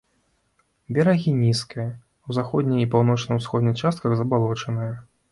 Берагі нізкія, у заходняй і паўночна-ўсходняй частках забалочаныя.